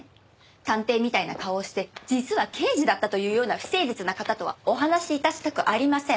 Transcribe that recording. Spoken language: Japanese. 探偵みたいな顔をして実は刑事だったというような不誠実な方とはお話し致したくありません。